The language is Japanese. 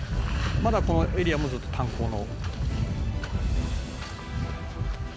「まだこのエリアもずっと炭鉱の」